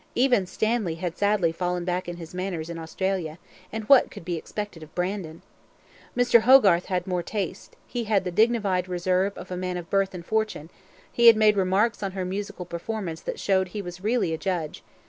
Even Stanley had sadly fallen back in his manners in Australia, and what could be expected of Brandon? Mr. Hogarth had more taste; he had the dignified reserve of a man of birth and fortune; he had made remarks on her musical performance that showed he was really a judge.